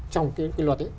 trong cái luật ấy